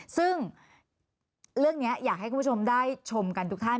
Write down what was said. ซึ่งเรื่องนี้อยากให้คุณผู้ชมได้ชมกันทุกท่าน